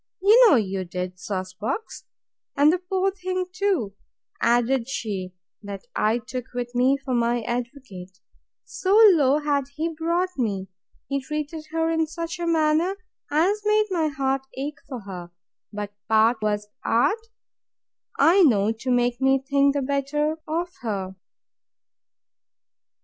You know you did, sauce box. And the poor thing too, added she, that I took with me for my advocate, so low had he brought me! he treated her in such a manner as made my heart ache for her: But part was art, I know, to make me think the better of her.